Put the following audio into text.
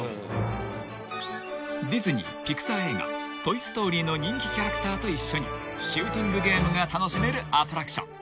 ［ディズニーピクサー映画『トイ・ストーリー』の人気キャラクターと一緒にシューティングゲームが楽しめるアトラクション］